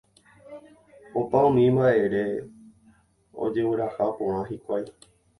Opa umi mba'ére ojogueraha porã hikuái.